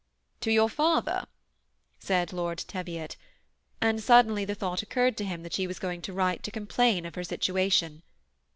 " To your father ?" said Lord Teviot ; and suddenly the thought occurred to him that she was going to write to complain of her situation.